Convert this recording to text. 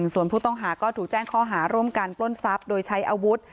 ส่วนผู้ต้องหาก็ถูกแจ้งข้อหาร่วมกันปล้นทรัพย์โดยใช้อาวุธ